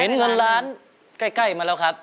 เงินล้านใกล้มาแล้วครับ